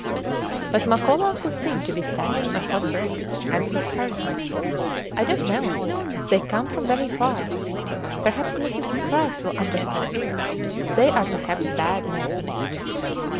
But Makola, who seemed to be standing on hot bricks, answered hurriedly, I dont know. They come from very far. Perhaps Mrs. Price will understand. They are perhaps bad men.